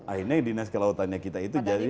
akhirnya dinas kelautannya kita itu jadi